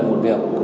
có người một việc